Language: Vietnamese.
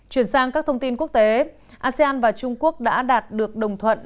chuyển sang các thông tin quốc tế asean và trung quốc đã đạt được đồng thuận